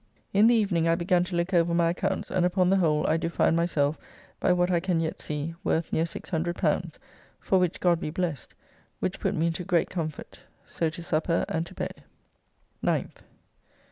In the evening I begun to look over my accounts and upon the whole I do find myself, by what I can yet see, worth near L600, for which God be blessed, which put me into great comfort. So to supper and to bed. 9th.